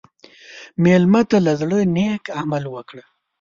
مېلمه ته له زړه نیک عمل وکړه.